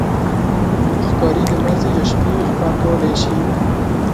ښکاري د ورځې یا شپې ښکار کولی شي.